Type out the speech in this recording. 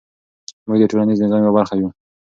موږ د ټولنیز نظام یوه برخه یو.